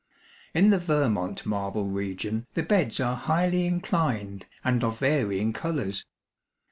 In the Vermont marble region the beds are highly inclined and of varying colors.